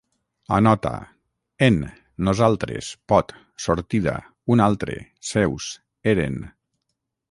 Anota: en, nosaltres, pot, sortida, un altre, seus, eren